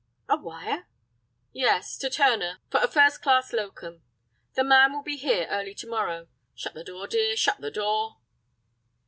"A wire?" "Yes, to Turner, for a first class locum. The man will be here early to morrow. Shut the door, dear—shut the door."